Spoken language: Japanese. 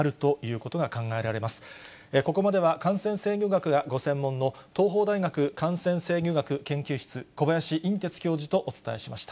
ここまでは感染制御学がご専門の、東邦大学感染制御学研究室、小林寅てつ教授とお伝えしました。